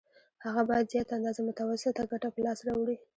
هغه باید زیاته اندازه متوسطه ګټه په لاس راوړي